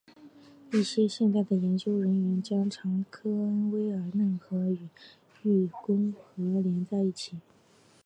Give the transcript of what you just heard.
一些现代的研究人员常将科恩威尔嫩河与育空河联系在一起。